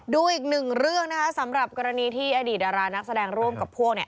ดูอีกหนึ่งเรื่องนะคะสำหรับกรณีที่อดีตดารานักแสดงร่วมกับพวกเนี่ย